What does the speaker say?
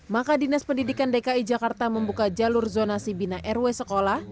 maka dinas pendidikan dki jakarta membuka jalur zonasi bina rw sekolah